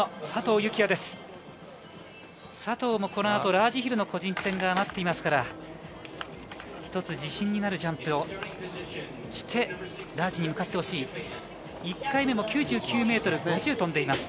佐藤もこのあとラージヒルの個人戦が待っていますから、ひとつ自信になるジャンプをして、ラージに向かってほしい。